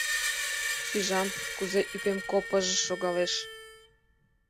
Шижам, кузе ӱпем копыж-ж шогалеш...